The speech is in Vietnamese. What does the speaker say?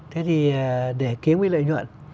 thế thì để kiếm cái lợi nhuận